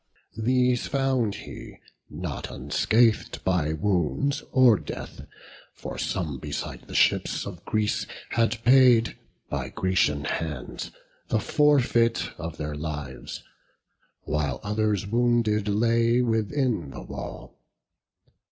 These found he not unscath'd by wounds or death; For some beside the ships of Greece had paid, By Grecian hands, the forfeit of their lives, While others wounded lay within the wall.